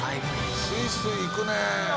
スイスイいくね。